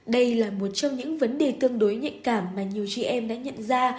đây là một trong những vấn đề tương đối nhạy cảm mà nhiều chị em đã nhận ra